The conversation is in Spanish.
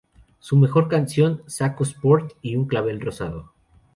Su mejor canción: "Saco sport y un clavel rosado".